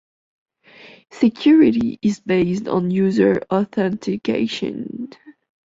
Security is based on user authentication.